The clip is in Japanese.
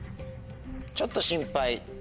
ちょっと心配。